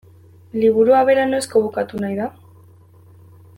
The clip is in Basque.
Liburua bera noizko bukatu nahi da?